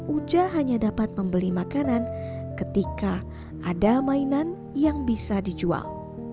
uja hanya dapat membeli makanan ketika ada mainan yang bisa dijual